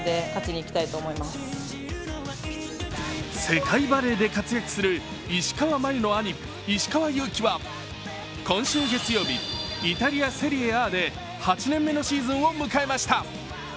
世界バレーで活躍する石川真佑の兄・石川祐希は今週月曜日、イタリア・セリエＡで８年目のシーズンを迎えました。